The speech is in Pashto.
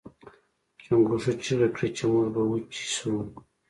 چنګښو چیغې کړې چې موږ به وچې شو.